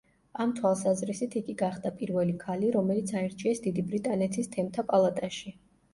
ამ თვალსაზრისით იგი გახდა პირველი ქალი, რომელიც აირჩიეს დიდი ბრიტანეთის თემთა პალატაში.